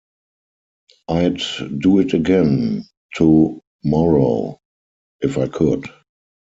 I'd do it again to-morrow, if I could.